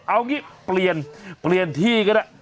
เอางี้เปลี่ยนเปลี่ยนที่ก็ได้